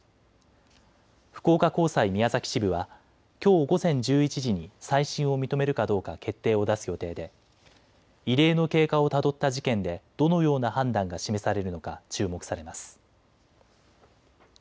福岡高裁宮崎支部はきょう午前１１時に再審を認めるかどうか決定を出す予定で異例の経過をたどった事件でどのような判断が示されるのか注目されます。